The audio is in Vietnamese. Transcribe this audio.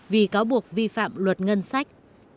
vì cáo buộc vi phạm luật ngân sách